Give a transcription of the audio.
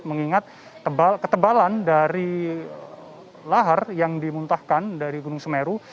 mengingat ketebalan dari lahar yang dimuntahkan dari gunung semeru